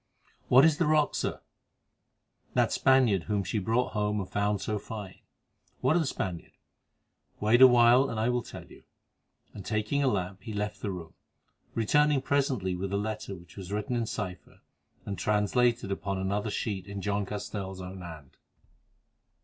"What is the rock, Sir?" "That Spaniard whom she brought home and found so fine." "What of the Spaniard?" "Wait a while and I will tell you." And, taking a lamp, he left the room, returning presently with a letter which was written in cipher, and translated upon another sheet in John Castell's own hand.